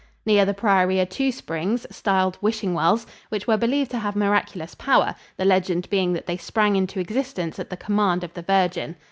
Near the priory are two springs, styled Wishing Wells, which were believed to have miraculous power, the legend being that they sprang into existence at the command of the Virgin.